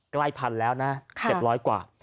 ใกล้๑๐๐๐แล้วนะ๗๐๐กว่า